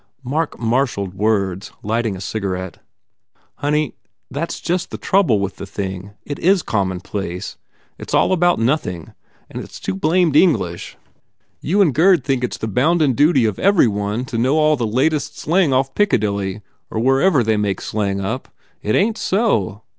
Mark marshalled words, lighting a cigarette. "Honey, that s just the trouble with the thing. It is commonplace. It s all about nothing. And it s too blamed English. You and Gurd seem to i 88 TODGERS INTRUDES think it s the bounden duty of every one to know all the latest English slang off Piccadilly or wherever they make slang up. It ain t so.